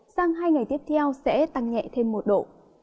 sang hai ngày tiếp theo sẽ tăng nhẹ thêm một độ